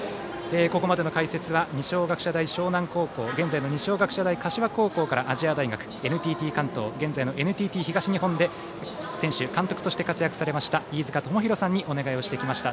ここまでの解説は二松学舎大沼南高校現在の二松学舎大柏高校から亜細亜大学ＮＴＴ関東現在のＮＴＴ東日本で選手、監督として活躍された飯塚智広さんにお願いをしてきました。